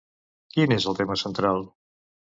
Quin és el tema central?